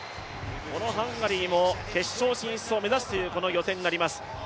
このハンガリーも決勝進出を目指している、この予選になります